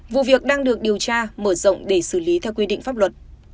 vụ việc đang được điều tra mở rộng để xử lý theo quy định pháp luật